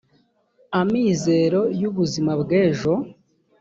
amizero y ubuzima bw ejo